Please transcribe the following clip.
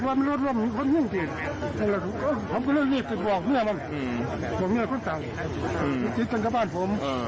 ต่อมาตำรวจศพห้วยหลวงตามจับตัวนายธวัชชัยได้นะคะ